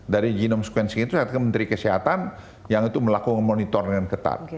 dari genome sequencing itu artinya menteri kesehatan yang itu melakukan monitor dengan ketat